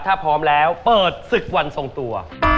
ถ้าพร้อมแล้วเปิดศึกวันทรงตัว